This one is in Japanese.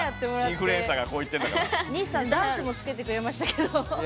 西さんダンスもつけてくれましたけど。